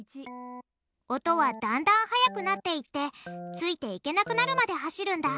音はだんだん速くなっていってついていけなくなるまで走るんだ